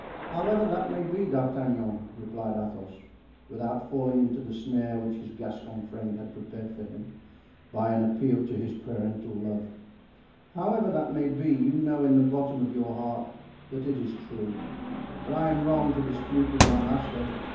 "However that may be, D'Artagnan," replied Athos, without falling into the snare which his Gascon friend had prepared for him by an appeal to his parental love, "however that may be, you know in the bottom of your heart that it is true; but I am wrong to dispute with my master.